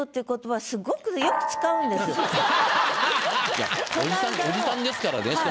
いやおじさんですからね。